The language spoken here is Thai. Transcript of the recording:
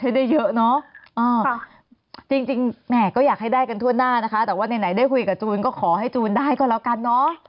ได้เยอะเนอะจริงแหมก็อยากให้ได้กันทั่วหน้านะคะแต่ว่าไหนได้คุยกับจูนก็ขอให้จูนได้ก็แล้วกันเนอะ